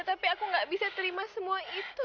tapi aku gak bisa terima semua itu